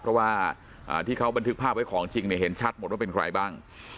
เพราะว่าที่เขาบันทึกภาพไว้ของจริงเนี่ยเห็นชัดหมดว่าเป็นใครบ้าง